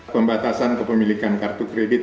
pembatasan kepemilikan kartu kredit